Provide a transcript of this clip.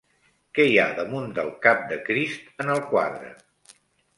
Què hi ha damunt del cap de Crist en el quadre?